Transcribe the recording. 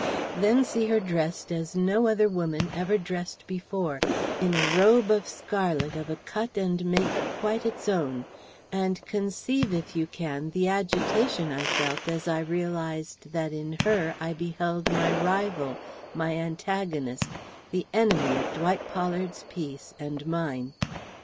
Then see her dressed as no other woman ever dressed before, in a robe of scarlet of a cut and make quite its own, and conceive, if you can, the agitation I felt as I realized that in her I beheld my rival, my antagonist, the enemy of Dwight Pollard's peace and mine.